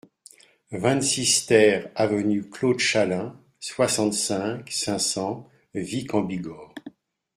vingt-six TER avenue Claude Chalin, soixante-cinq, cinq cents, Vic-en-Bigorre